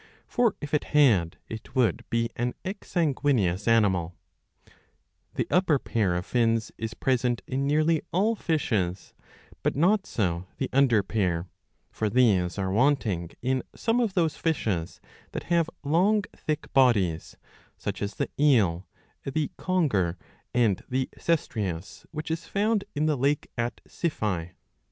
For, if it had, it would be an ex sanguineous animal. The upper pair of fins is present in nearly all fishes, but not so the under pair; for these are wanting in some of those fishes that have long thick bodies, such as the eel, the conger, and the Cestreus which is found in the lake at Siphae.